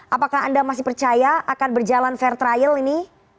apakah anda masih percaya akan berjalan fair trial ini